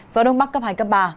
gió đông bắc cấp hai cấp ba